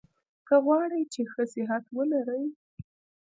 که غواړی چي ښه صحت ولرئ؟